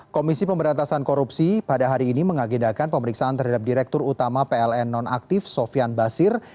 komisi pemberantasan korupsi pada hari ini mengagendakan pemeriksaan terhadap direktur utama pln non aktif sofian basir